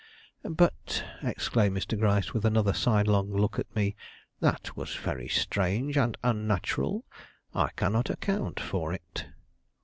"But," exclaimed Mr. Gryce, with another sidelong look at me, "that was very strange and unnatural. I cannot account for it."